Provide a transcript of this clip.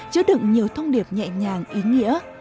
chứa đựng nhiều thông điệp nhẹ nhàng ý nghĩa